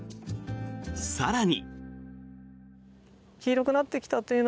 更に。